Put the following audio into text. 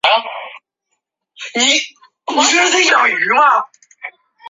把酷儿理论应用到各种学科的研究被称为酷儿研究。